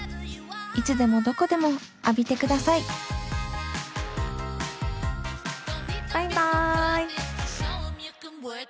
いつでもどこでも浴びてくださいバイバイ。